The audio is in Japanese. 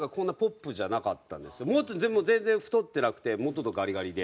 全然太ってなくてもうちょっとガリガリで。